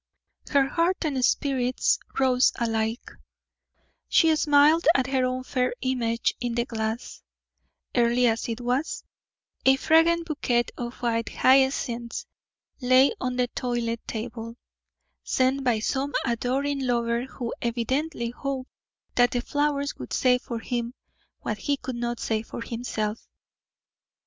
Her heart and spirits rose alike, she smiled at her own fair image in the glass; early as it was, a fragrant bouquet of white hyacinths lay on the toilet table, sent by some adoring lover who evidently hoped that the flowers would say for him what he could not say for himself.